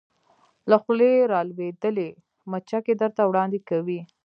له خولې را لویدلې مچکې درته وړاندې کوې